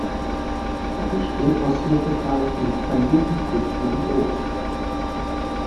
Er besteht aus Hefeteig mit kandierten Früchten und Obst.